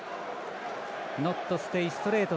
ノットステイストレート。